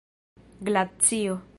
glacio